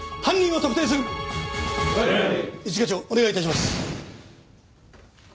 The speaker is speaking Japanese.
一課長お願い致します。